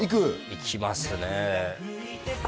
行きますね